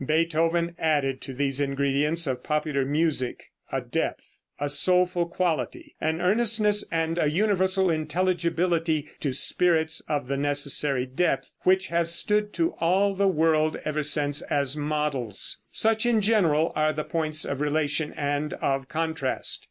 Beethoven added to these ingredients of popular music a depth, a soulful quality, an earnestness and a universal intelligibility to spirits of the necessary depth, which have stood to all the world ever since as models. Such, in general, are the points of relation and of contrast.